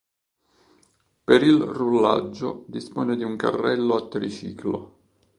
Per il rullaggio dispone di un carrello a triciclo.